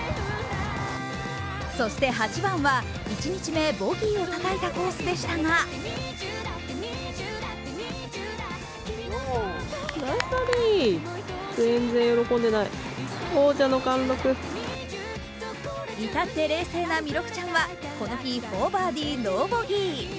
そして８番は、１日目ボギーをたたいたコースでしたが至って冷静な弥勒ちゃんはこの日４バーディー、ノーボギー。